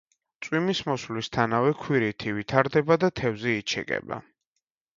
წვიმის მოსვლისთანავე ქვირითი ვითარდება და თევზი იჩეკება.